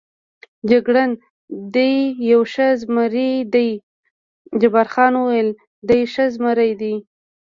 جګړن: دی یو ښه زمري دی، جبار خان وویل: دی ښه زمري دی.